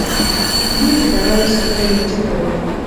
دوی د ډبرو سکرو انرژي کاروي.